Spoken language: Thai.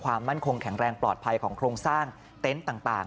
ความมั่นคงแข็งแรงปลอดภัยของโครงสร้างเต็นต์ต่าง